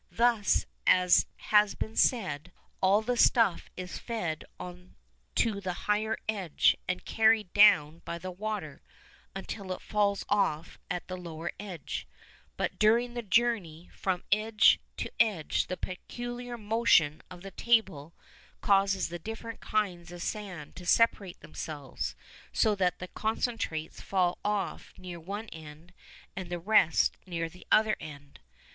Thus, as has been said, all the stuff is fed on to the higher edge and carried down by the water, until it falls off at the lower edge, but during the journey from edge to edge the peculiar motion of the table causes the different kinds of sand to separate themselves, so that the concentrates fall off near one end, and the rest near the other end.